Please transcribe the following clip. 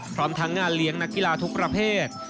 พร้อมทั้งงานเลี้ยงนักกีฬาทุกประเภท